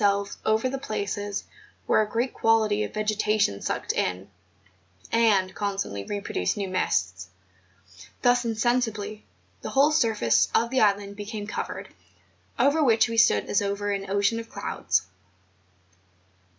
269 selves over the places where a great quantity of ve¬ getation sucked in and constantly reproduced new mists. Thus insensibly the whole surface of the island became covered, over which we stood as over an ocean of clouds.